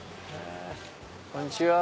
こんにちは。